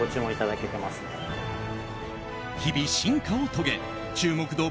日々、進化を遂げ注目度